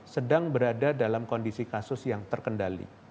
sedang berada dalam kondisi kasus yang terkendali